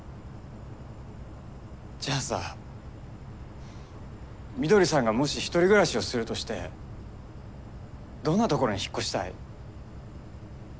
じゃあさ翠さんがもし１人暮らしをするとしてどんなところに引っ越したい？